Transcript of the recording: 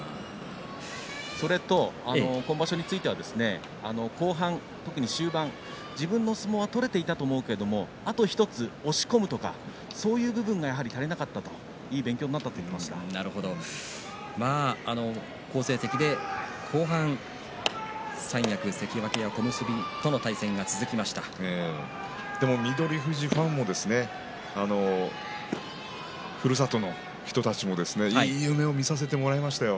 それと今場所については後半自分の相撲は取れていたと思うけれどもあと１つ押し込むとかそういう部分が足りなかったといい勉強になった好成績で後半、三役関脇、でも翠富士ファンもふるさとの人たちもいい夢をみさせてもらいました。